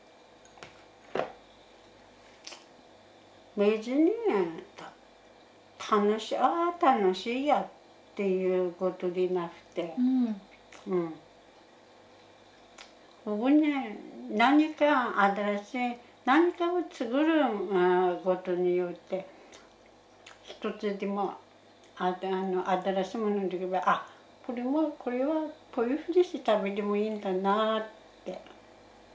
別に楽しいあ楽しいやっていうことでなくてここに何か新しい何かを作ることによって一つでも新しいものできればあっこれはこれはこういうふうにして食べてもいいんだなぁって。